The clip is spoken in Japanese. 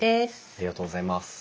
ありがとうございます。